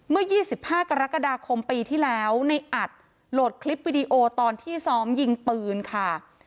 เมื่อ๒๕กรกฎาคมปีที่แล้วในอัดโหลดคลิปวิดีโอตอนที่ซ้อมยิงปืนค่ะ